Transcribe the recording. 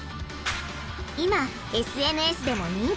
今ＳＮＳでも人気！